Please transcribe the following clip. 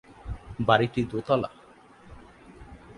বাড়িটি দোতলা।